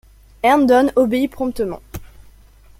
Herndon obéit promptement.